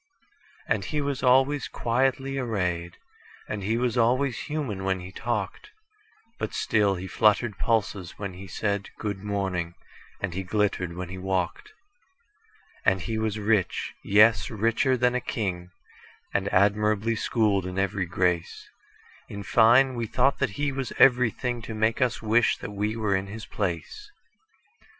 And he was always quietly arrayed, And he was always human when he talked; But still he fluttered pulses when he said,"Good morning," and he glittered when he walked. And he was rich,—yes, richer than a king,—And admirably schooled in every grace:In fine, we thought that he was everythingTo make us wish that we were in his place.